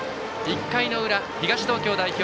１回の裏、東東京代表